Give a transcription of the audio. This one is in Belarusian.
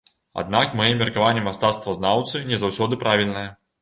Аднак мае меркаванне мастацтвазнаўцы не заўсёды правільнае.